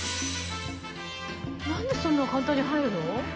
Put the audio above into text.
何でそんなに簡単に入るの？